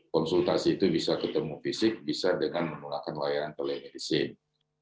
konsultasi itu bisa ketemu fisik bisa dengan menggunakan layanan telemedicine